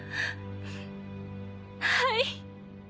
はい！